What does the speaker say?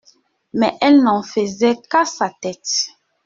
Mais elle n'en faisait qu'à sa tête.